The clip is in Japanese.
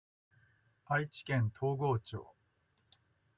愛知県東郷町